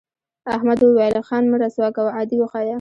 احمد وویل خان مه رسوا کوه عادي وښیه.